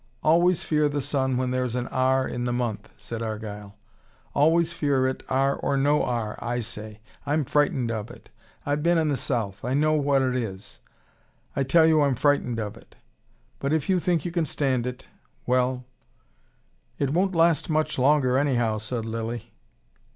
"Always fear the sun when there's an 'r' in the month," said Argyle. "Always fear it 'r' or no 'r,' I say. I'm frightened of it. I've been in the South, I know what it is. I tell you I'm frightened of it. But if you think you can stand it well " "It won't last much longer, anyhow," said Lilly.